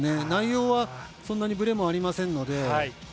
内容は、そんなにぶれもありませんので。